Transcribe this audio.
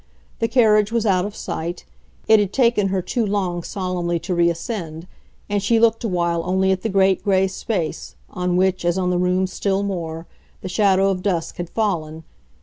The carriage was out of sight it had taken her too long solemnly to reascend, and she looked awhile only at the great grey space, on which, as on the room still more, the shadow of dusk had fallen.